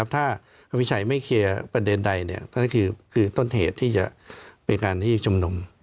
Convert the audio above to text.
ถ้าพระวิชัยไม่เคลียร์ประเด็นใดก็คือต้นเหตุที่จะเป็นการที่ชุมนุม